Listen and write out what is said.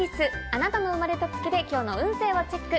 あなたの生まれた月で今日の運勢をチェック。